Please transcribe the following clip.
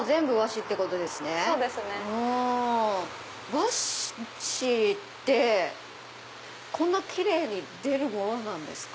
和紙ってこんなキレイに出るものなんですか？